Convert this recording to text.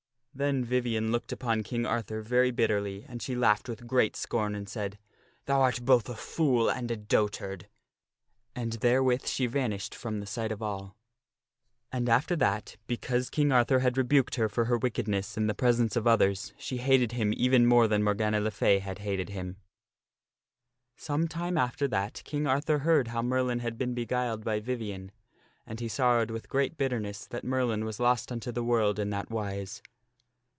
Then Vivien looked upon King Arthur very bitterly, and she laughed with great scorn, and said, " Thou art both a fool and a dotard," and there with she vanished from the sight of all. And after that, because King Arthur had rebuked her for her wicked ness in the presence of others, she hated him even more than Morgana le Fay had hated him. 2O2 THE STORY OF MERLIN Some time after that, King Arthur heard how Merlin had been beguiled by Vivien, and he sorrowed with great bitterness that Merlin was lost unto the world in that wise.